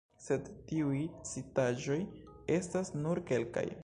Sed tiuj citaĵoj estas nur kelkaj.